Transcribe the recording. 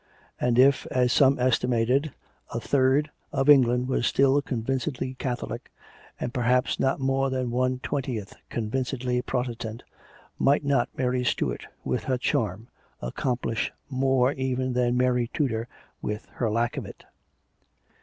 And if, as some estimated, a third of England were still convincedly Catholic, and perhaps not more than one twen tieth convincedly Protestant, might not Mary Stuart, with her charm, accomplish more even than Mary Tudor with her lack of it?